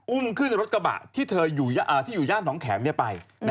อุ้มขึ้นรถกระบะที่อยู่ย่านน้องแข็มไป